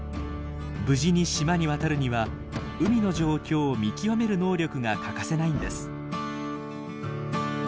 無事に島に渡るには海の状況を見極める能力が欠かせないんです。